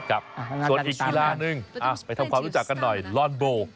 ครับส่วนอีกกีฬานึงไปทำความรู้จักกันหน่อยลอนโบ